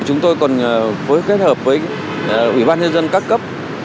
chúng tôi còn phối kết hợp với ủy ban nhân dân các cấp